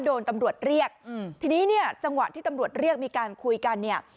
โดนตำรวจเรียกอืมทีนี้เนี่ยจังหวะที่ตำรวจเรียกมีการคุยกันเนี่ย